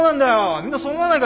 みんなそう思わないか？